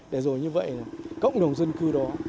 để rồi như vậy cộng đồng dân cư đó